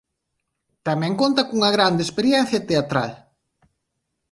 Tamén conta cunha grande experiencia teatral.